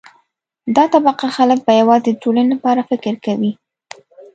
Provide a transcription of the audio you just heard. دا طبقه خلک به یوازې د ټولنې لپاره فکر کوي.